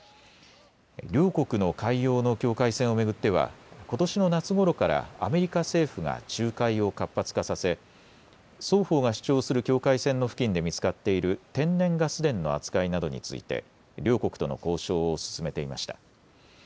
両国の海洋の境界線を巡ってはことしの夏ごろからアメリカ政府が仲介を活発化させ双方が主張する境界線の付近で見つかっている天然ガス田の扱いなどについて両国との交渉を進めていました。